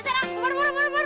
jadi gua uruk sama duit lu